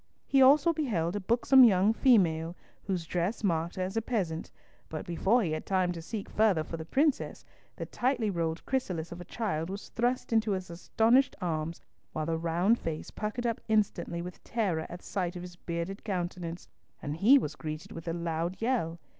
He also beheld a buxom young female, whose dress marked her as a peasant, but before he had time to seek further for the princess, the tightly rolled chrysalis of a child was thrust into his astonished arms, while the round face puckered up instantly with terror at sight of his bearded countenance, and he was greeted with a loud yell.